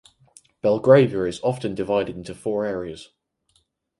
Belgravia is often divided into four areas.